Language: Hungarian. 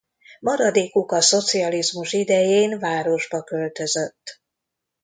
Maradékuk a szocializmus idején városba költözött.